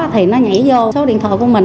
thì nó nhảy vô số điện thoại của mình